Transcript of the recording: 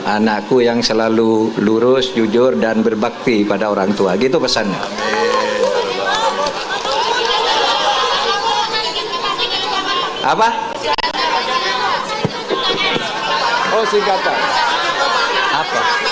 anakku yang selalu lurus jujur dan berbakti kepada orang tua gitu pesannya apa apa